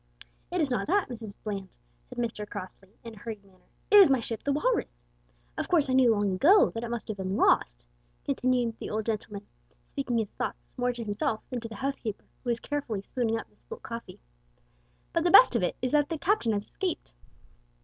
"It is not that, Mrs Bland," said Mr Crossley, in a hurried manner; "it is my ship the Walrus. Of course I knew long ago that it must have been lost," continued the old gentleman, speaking his thoughts more to himself than to the housekeeper, who was carefully spooning up the spilt coffee, "but the best of it is that the Captain has escaped."